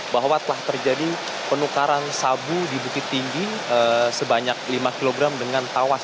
bahwa telah terjadi penukaran sabu di bukit tinggi sebanyak lima kg dengan tawas